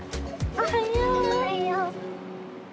おはよう！